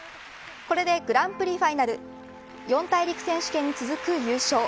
これで、グランプリファイナル四大陸選手権に続く優勝。